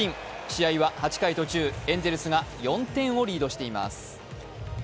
試合は８回途中、エンゼルスが４点をリードしています。